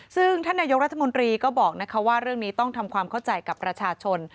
ซึ่งท่านนายกรัฐมนตรีก็บอกว่าเรื่องนี้ต้องทำความเข้าใจกับประชาชน